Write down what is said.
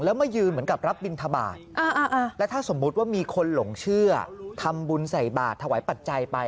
สมมติว่ามีคนหลงเชื่อทำบุญใส่บาทถวายปัจจัยไป